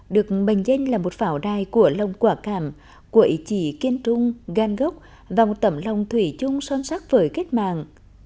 được bành danh là một phảo đài của lòng quả cảm của ý chí kiên trung gan gốc và một tẩm lòng thủy chung son sắc với kết mạng